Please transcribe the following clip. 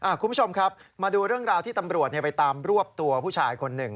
คุณผู้ชมครับมาดูเรื่องราวที่ตำรวจไปตามรวบตัวผู้ชายคนหนึ่ง